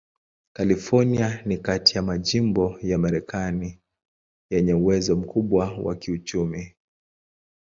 California ni kati ya majimbo ya Marekani yenye uwezo mkubwa wa kiuchumi.